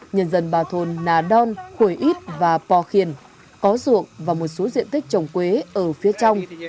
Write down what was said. nhân dân bà thôn nà đôn khuổi ít và pò khiền có ruộng và một số diện tích trồng quế ở phía trong